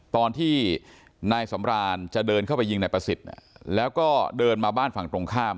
ตอนที่นายสำรานจะเดินเข้าไปยิงนายประสิทธิ์แล้วก็เดินมาบ้านฝั่งตรงข้าม